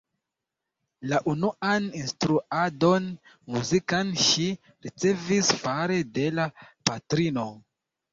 La unuan instruadon muzikan ŝi ricevis fare de la patrino.